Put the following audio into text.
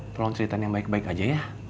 tolong ceritain yang baik baik aja ya